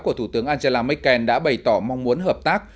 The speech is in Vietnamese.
của thủ tướng angela merkel đã bày tỏ mong muốn hợp tác